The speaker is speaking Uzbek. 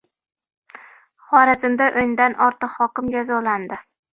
Xorazmda o‘ndan ortiq hokim jazolandi